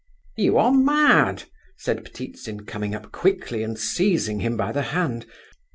"You are mad!" said Ptitsin, coming up quickly and seizing him by the hand.